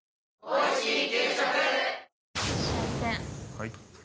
はい。